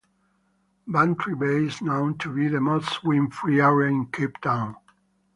Bantry Bay is known to be the most wind-free area in Cape Town.